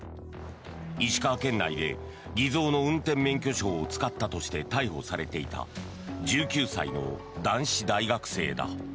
石川県内で、偽造の運転免許証を使ったとして逮捕されていた１９歳の男子大学生だ。